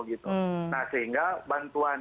nah sehingga bantuan